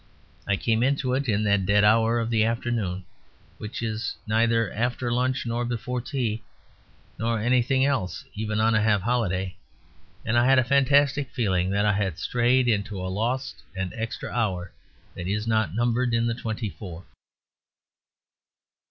I came into it in that dead hour of the afternoon which is neither after lunch nor before tea, nor anything else even on a half holiday; and I had a fantastic feeling that I had strayed into a lost and extra hour that is not numbered in the twenty four.